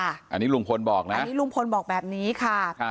อันนี้ลุงพลบอกนะอันนี้ลุงพลบอกแบบนี้ค่ะ